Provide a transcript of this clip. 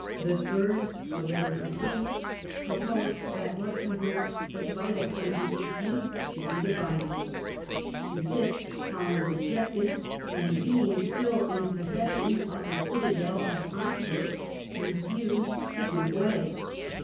The third (Nov. 15th) proposed that Luxemburg — the vital point in dispute — should be divided. To this Holland ob jected, and being still in possession of the citadel of Antwerp refused to give way.